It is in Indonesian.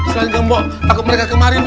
selain gembok aku mereka kemarin mi